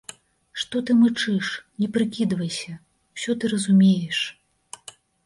Што ты мычыш, не прыкідвайся, усё ты разумееш.